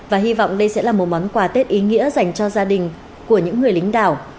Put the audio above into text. và hy vọng đây sẽ là một món quà tết ý nghĩa dành cho gia đình của những người lính đảo